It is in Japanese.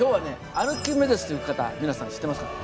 アルキメデスっていう方皆さん知ってますかね？